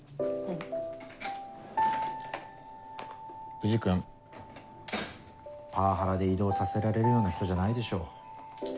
藤君パワハラで異動させられるような人じゃないでしょ。